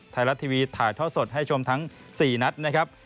ไทยรัฐทีวีถ่ายท่อสดให้ชมทั้ง๔นัดนะครับ